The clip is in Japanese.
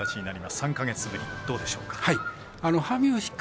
３か月ぶり、どうでしょうか。